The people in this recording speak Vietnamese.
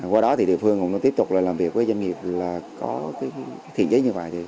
qua đó thì địa phương cũng tiếp tục làm việc với doanh nghiệp là có thiện giấy như vậy